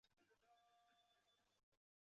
实施域名抢注的人亦被称为网路蟑螂。